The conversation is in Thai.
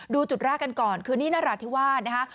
ดูจุดแรกกันก่อนคือนี่นราธิวาสนะคะ